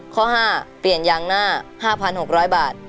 ข้อ๕เปลี่ยนยางหน้า๕๖๐๐บาท